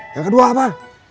yang kedua apa